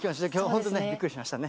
本当ね、びっくりしましたね。